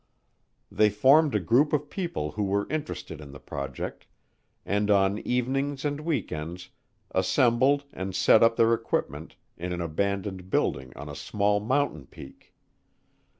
They formed a group of people who were interested in the project, and on evenings and weekends assembled and set up their equipment in an abandoned building on a small mountain peak.